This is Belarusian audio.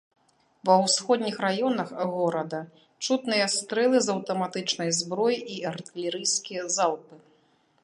Ва ўсходніх раёнах горада чутныя стрэлы з аўтаматычнай зброі і артылерыйскія залпы.